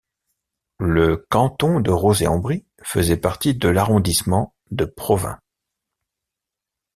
Le canton de Rozay-en-Brie faisait partie de l’arrondissement de Provins.